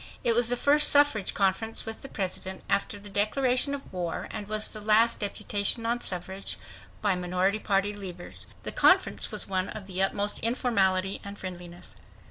It was the first suffrage conference with the President after the declaration of war, and was the last deputation on suffrage by minority party leaders. The conference was one of the utmost informality and friendliness.